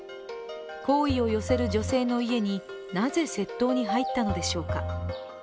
好意を寄せる女性の家になぜ窃盗に入ったのでしょうか。